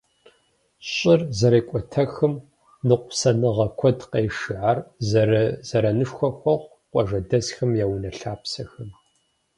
Щӏыр зэрекӏуэтэхым ныкъусаныгъэ куэд къешэ, ар зэранышхуэ хуохъу къуажэдэсхэм я унэ-лъапсэхэм.